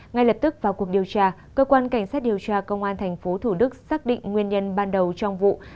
ngay lập tức vào cuộc điều tra cơ quan cảnh sát điều tra công an tp thủ đức xác định nguyên nhân ban đầu trong vụ